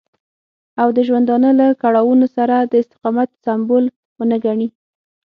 او د ژوندانه له کړاوونو سره د استقامت سمبول ونه ګڼي.